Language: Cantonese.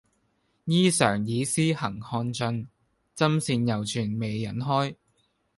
衣裳已施行看盡，針線猶存未忍開。